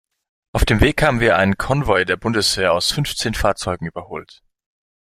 Auf dem Weg haben wir einen Konvoi der Bundeswehr aus fünfzehn Fahrzeugen überholt.